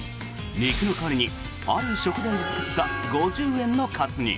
肉の代わりに、ある食材で作った５０円のカツ煮。